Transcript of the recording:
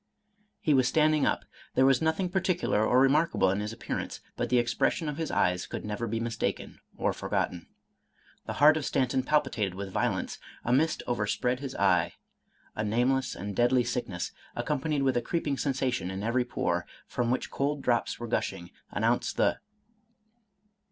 He was standing up. There was nothing particular or remarkable in his appearance, but the expression of his eyes could never be mistaken or forgotten. The heart of Stanton palpitated with violence, — sl mist overspread his eye, — 3, nameless and deadly sickness, accompanied with a creeping sensation in every pore, from which cold drops were gashing, announced the